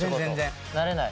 慣れない？